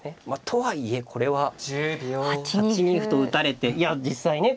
とはいえこれは８ニ歩と打たれていや実際ね